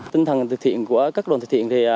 tinh thần thực thiện của các đoàn thực thiện